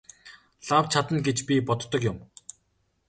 Лав чадна гэж би боддог юм.